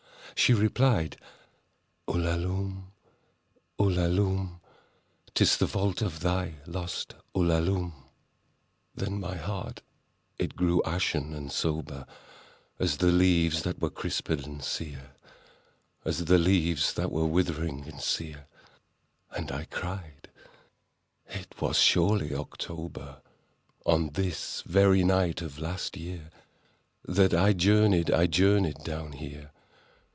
She replied—"Ulalume—Ulalume— 'Tis the vault of thy lost Ulalume!" Then my heart it grew ashen and sober As the leaves that were crispèd and sere— As the leaves that were withering and sere— And I cried—"It was surely October On this very night of last year, That I journeyed—I journeyed down here!